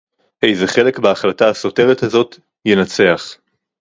איזה חלק בהחלטה הסותרת הזאת ינצח